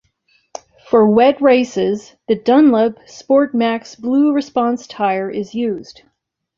For wet races, the Dunlop SportMaxx BluResponse tyre is used.